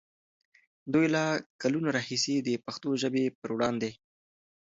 دوی له کلونو راهیسې د پښتو ژبې پر وړاندې